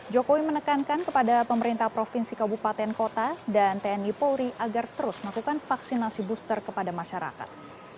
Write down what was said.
jokowi menekankan kepada pemerintah provinsi kabupaten kota dan tni polri agar terus melakukan vaksinasi booster kepada masyarakat